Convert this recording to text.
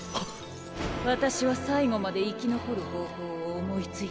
私は最後まで生き残る方法を思いつい